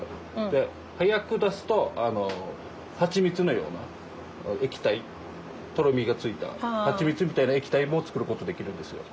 で早く出すとあの蜂蜜のような液体とろみがついた蜂蜜みたいな液体も作る事できるんですよ。